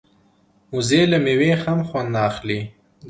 وزې له مېوې هم خوند اخلي